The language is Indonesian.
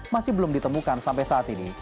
masih belum ditemukan sampai saat ini